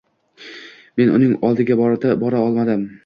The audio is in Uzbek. Men uning oldiga bora olmadim.